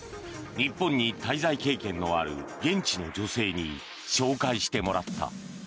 日本に滞在経験のある現地の女性に紹介してもらった。